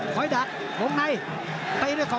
ขวาดักลงใน